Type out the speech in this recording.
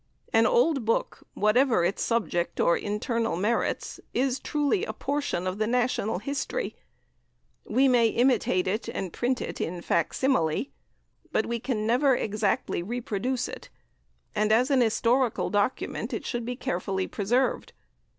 An old book, whatever its subject or internal merits, is truly a portion of the national history; we may imitate it and print it in fac simile, but we can never exactly reproduce it; and as an historical document it should be carefully preserved.